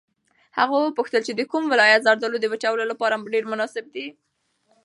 هغه وپوښتل چې د کوم ولایت زردالو د وچولو لپاره ډېر مناسب دي.